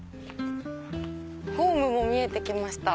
ホームも見えて来ました。